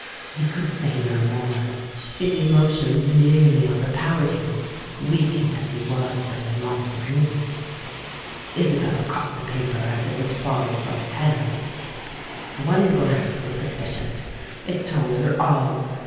He could say no more: his emotions nearly overpowered him, weakened as he was by a long illness. Isabella caught the paper as it was falling from his hands. One glance was sufficient: it told her all!